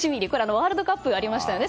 ワールドカップがありましたよね。